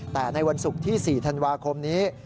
แต่ในวันศุกร์ที่๔ธันวาคมนี้